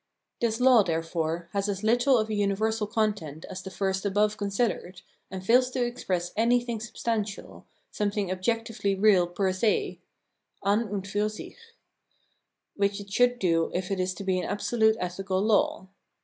This law, there fore, has as little of a universal content as the first above considered, and fails to express anj^thing sub stantial, something objectively real per se {an und fur sich), which it should do if it is to be an absolute ethical law.